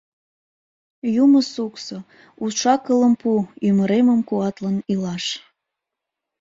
Юмо-суксо, уш-акылым пу Ӱмыремым куатлын илаш.